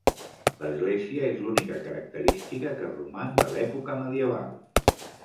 L'església és l'única característica que roman de l'època medieval.